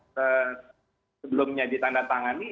kalau nyakop sebelumnya ditandatangani